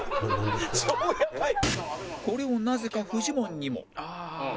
これをなぜかフジモンにも